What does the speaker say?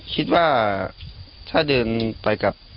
ที่มีข่าวเรื่องน้องหายตัว